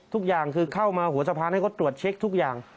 ทุกอย่างคือเข้ามาหัวสะพานให้เขาตรวจเช็คทุกอย่าง